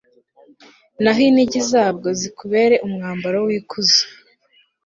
naho inigi zabwo zikubere umwambaro w'ikuzo